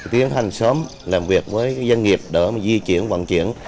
tiến hành sớm làm việc với doanh nghiệp để di chuyển vận chuyển